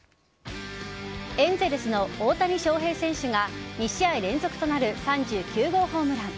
エンゼルスの大谷翔平選手が２試合連続となる３９号ホームラン。